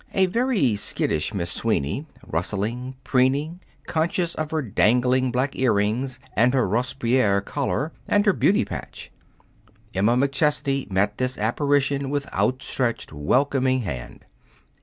A very skittish Miss Sweeney, rustling, preening, conscious of her dangling black earrings and her Robespierre collar and her beauty patch. Emma McChesney met this apparition with outstretched, welcoming hand.